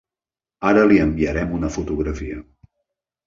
Ara li enviarem una fotografia.